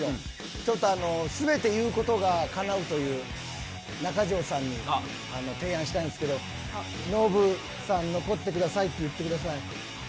ちょっとすべて言うことがかなうという中条さんに提案したいんですけど、ノブさん残ってくださいって言ってください。